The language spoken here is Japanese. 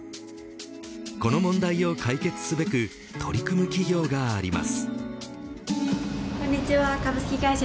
この問題を解決すべく取り組む企業があります。